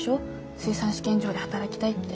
水産試験場で働きたいって。